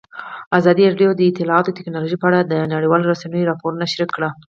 ازادي راډیو د اطلاعاتی تکنالوژي په اړه د نړیوالو رسنیو راپورونه شریک کړي.